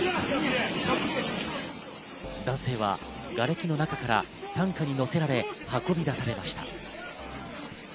男性はがれきの中から担架に乗せられ運び出されました。